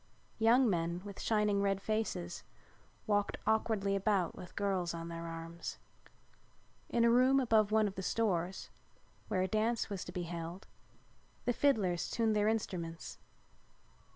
Young men with shining red faces walked awkwardly about with girls on their arms. In a room above one of the stores, where a dance was to be held, the fiddlers tuned their instruments.